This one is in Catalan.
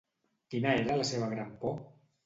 Quina era la seva gran por?